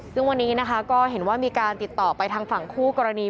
ซึ่งวันนี้นะคะก็เห็นว่ามีการติดต่อไปทางฝั่งคู่กรณี